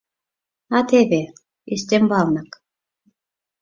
— А теве ӱстембалнак.